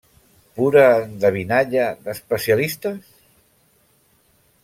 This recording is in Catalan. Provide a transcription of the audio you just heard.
Pura endevinalla d'especialistes?